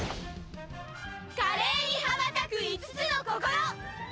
「華麗に羽ばたく５つの心！」